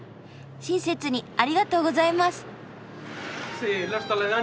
親切にありがとうございます。